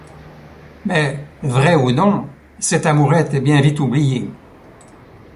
Mais, vraie ou non, cette amourette est bien vite oubliée.